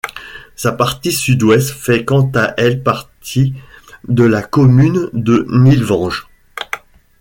Sa partie sud-ouest fait quant à elle partie de la commune de Nilvange.